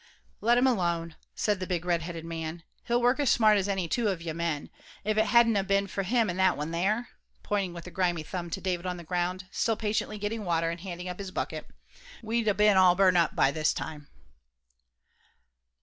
"Let him alone," said the big red headed man, "he'll work as smart as any two of ye men. If it hadn't 'a' been for him and that one there," pointing with a grimy thumb to David on the ground, still patiently getting water and handing up his bucket, "we'd 'a' been all burnt up, by this time."